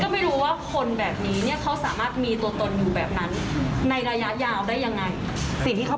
เป็นคนโกหกไหมคะ